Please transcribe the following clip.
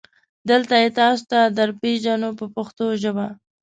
دلته یې تاسو ته درپېژنو په پښتو ژبه.